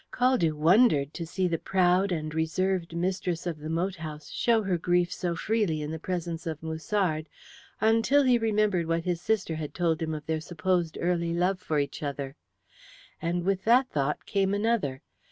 Caldew wondered to see the proud and reserved mistress of the moat house show her grief so freely in the presence of Musard, until he remembered what his sister had told him of their supposed early love for each other. And with that thought came another.